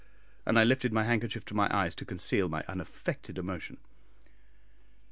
and I lifted my handkerchief to my eyes to conceal my unaffected emotion.